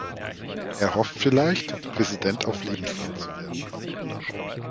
Er hofft vielleicht, Präsident auf Lebenszeit zu werden.